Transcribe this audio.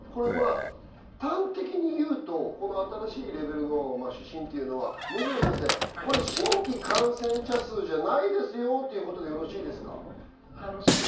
端的に言うと、新しいレベルの指針は、水野先生、新規感染者数じゃないですよということでよろしいです